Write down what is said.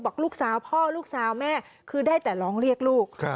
ลูกสาวพ่อลูกสาวแม่คือได้แต่ร้องเรียกลูก